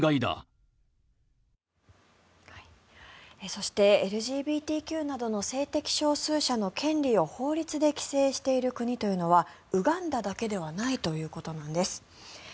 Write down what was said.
そしてＬＧＢＴＱなどの性的少数者の権利を法律で規制している国というのはウガンダだけではないということなんです。